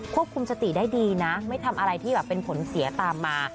ควบคุมสติได้ดีนะไม่ทำอะไรที่แบบเป็นผลเสียตามมา